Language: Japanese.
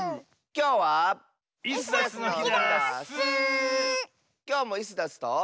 きょうもイスダスと。